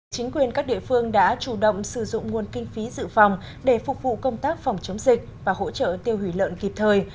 chính quyền các địa phương đã chủ động sử dụng nguồn kinh phí dự phòng để phục vụ công tác phòng chống dịch và hỗ trợ tiêu hủy lợn kịp thời